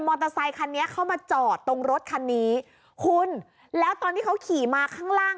อเตอร์ไซคันนี้เข้ามาจอดตรงรถคันนี้คุณแล้วตอนที่เขาขี่มาข้างล่าง